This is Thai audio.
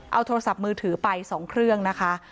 เอาโทรศัพท์มือถือไป๒เครื่องนะคะ